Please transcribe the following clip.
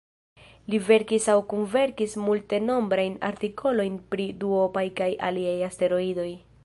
Li verkis aŭ kunverkis multenombrajn artikolojn pri duopaj kaj aliaj asteroidoj.